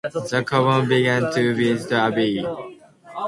The convent belonged to Bisham Abbey.